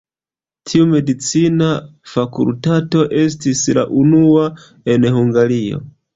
Tiu medicina fakultato estis la unua en Hungario.